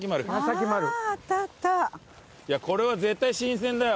これは絶対新鮮だよ。